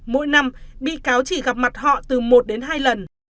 mỗi năm bị cáo chỉ gặp mặt họ từ một đến hai lần